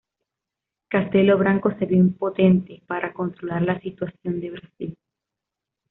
Castelo Branco se vio impotente para controlar la situación de Brasil.